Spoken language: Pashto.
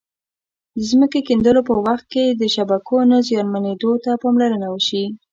د ځمکې کیندلو په وخت کې د شبکو نه زیانمنېدو ته پاملرنه وشي.